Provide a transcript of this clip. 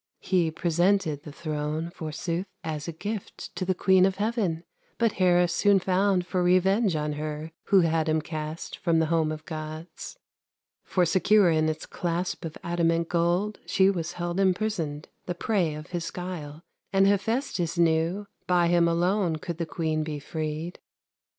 He presented the throne, Forsooth, as a gift To the queen of heaven; But Hera soon found For revenge on her Who had him cast From the home of Gods. For secure in its clasp Of adamant gold She was held imprisoned, The prey of his guile; And Hephestus knew By him alone Could the queen be freed.